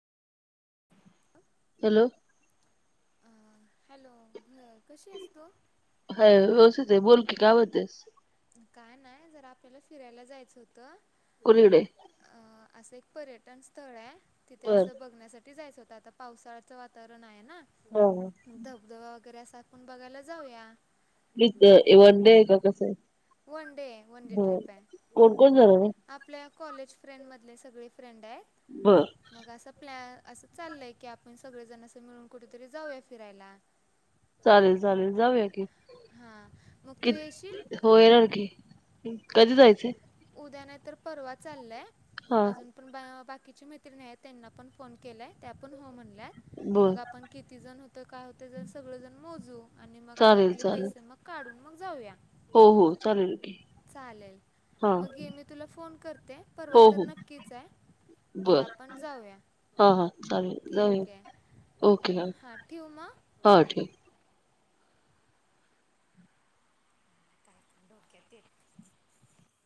Hello. [inaudible] कशी आहेस तू हाय व्यवस्थित आहे बोल की काय म्हणतेस काय नाही जरा आप त्याला फिरायला जायचं होतं. कुणीकडे? अ असं एक पर्यटन स्थळ आहे. तिथे बर असं बघण्यासाठी ते जायचं होत आता पावसाळ वातवरण आहे ना हा हा. धबधबा वगैरे अस आत्ता आपण बघायला जाऊया. इथं वन डे आहे का कसं आहे [unintelligible] वन डे वन डे बर ट्रिप आहे कोण कोण जाणार आहे [unintelligible] आपल्या कॉलेज फ्रेंडमधले सगळे फ्रेंड आहे बर मग असं प्लॅ असं चाललंय की आप मण सगळेजणस मिळून कुठेतरी जाऊया फिरायला. चालेल चालेल जाऊया की हां मग तू कि येशील? हो येणारकी कधी जायचे? उद्या नाही तर परवा चाललाय. अजून पण बा कीची मित्रिणी आहे त्यांना पण फोन केलाय त्या पण हो म्ह बर मग आपण किती जण होते काय होते ते सगळेजण मोजू. आणि मग चालेल आपापले चालेल पैसे मग काढून मग जाऊया. हो हो चालेल की चालेल हा मग ये मी तुला फोन करते परवा हो तर हो नक्कीच आहे मग बर आपण जाऊया हा हा चालेल ठीक जाऊया आहे ओके ह हां ठेवू मग हो ठीक काय पण डोक्या तेच